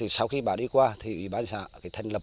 sau khi bà đi qua thì ủy ban xã trổ lông đã đưa ra một bộ phòng